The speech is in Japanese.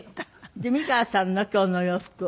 で美川さんの今日のお洋服は。